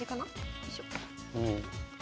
よいしょ。